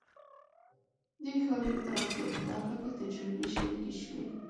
د ښاري پراختیا په برخه کې تجربې شریکې شوې.